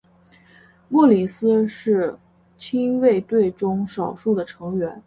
莫里斯是亲卫队中少数的成员。